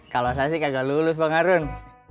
kalau saya sih kagak lulus bang harun